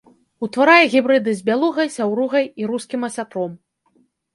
Утварае гібрыды з бялугай, сяўругай і рускім асятром.